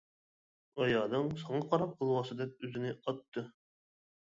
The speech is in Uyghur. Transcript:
ئايالىڭ ساڭا قاراپ ئالۋاستىدەك ئۆزىنى ئاتتى.